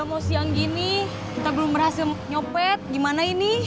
mau siang gini kita belum berhasil nyopet gimana ini